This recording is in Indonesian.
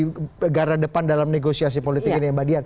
negara depan dalam negosiasi politik ini